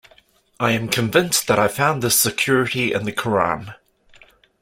I am convinced that I found this security in the Qur'an.